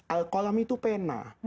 alqolami itu pena